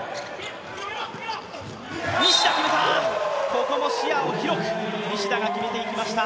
ここも視野を広く西田が決めていきました。